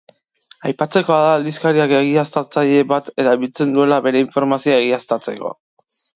Aipatzekoa da aldizkariak egiaztatzaile bat erabiltzen duela bere informazioa egiaztatzeko.